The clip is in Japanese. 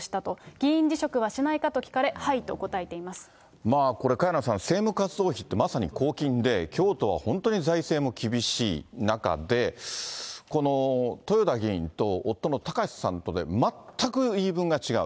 議員辞職はしないかと聞かれ、はこれ、萱野さん、政務活動費ってまさに公金で、京都は本当に財政も厳しい中で、豊田議員と夫の貴志さんとで全く言い分が違う。